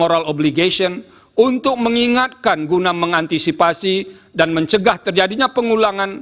moral obligation untuk mengingatkan guna mengantisipasi dan mencegah terjadinya pengulangan